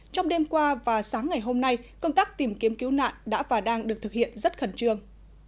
trong đêm qua và sáng ngày hôm nay công tác tìm kiếm cứu nạn đã và đang được thực hiện rất khẩn trương